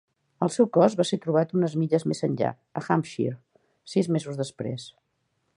El seu cos va ser trobat unes milles més enllà, a Hampshire, sis mesos després.